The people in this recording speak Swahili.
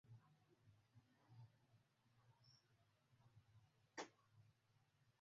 tume inatakiwa ilaumiwe kwanza ishtuke kwa nini watu wengi kiasi hicho hawakupiga kura